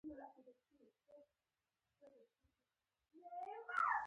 تر هغه وروسته ډیر شاعران پر لاره تللي دي.